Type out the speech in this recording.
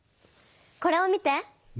これを見て！